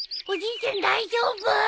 おじいちゃん大丈夫！？